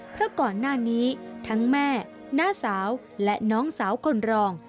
เพราะก่อนหน้านี้ทั้งแม่น้าสาวและน้องสาวคนรอง